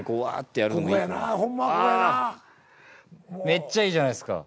めっちゃいいじゃないですか。